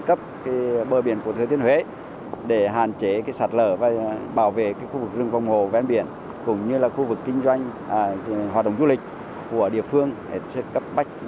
các giải pháp kỹ thuật chưa được tạo ra